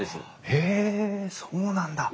へえそうなんだ！